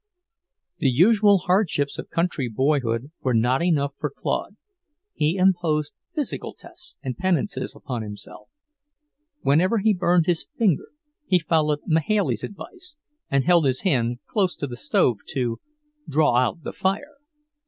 The usual hardships of country boyhood were not enough for Claude; he imposed physical tests and penances upon himself. Whenever he burned his finger, he followed Mahailey's advice and held his hand close to the stove to "draw out the fire."